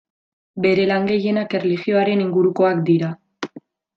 Bere lan gehienak erlijioaren ingurukoak dira.